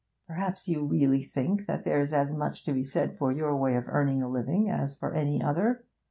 Perhaps you really think that there's as much to be said for your way of earning a living as for any other.